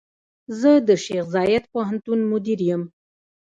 زۀ د شيخ زايد پوهنتون مدير يم.